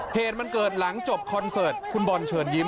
เหตุมันเกิดหลังจบคอนเสิร์ตคุณบอลเชิญยิ้ม